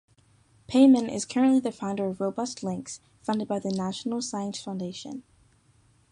Peyman is currently the founder of RobustLinks, funded by the National Science Foundation.